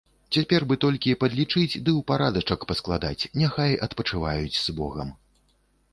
Цяпер бы толькі падлічыць ды ў парадачак паскладаць, няхай адпачываюць з богам.